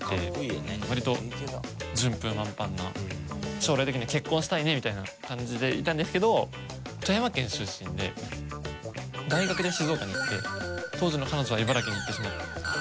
将来的には結婚したいねみたいな感じでいたんですけど富山県出身で大学で静岡に行って当時の彼女は茨城に行ってしまって。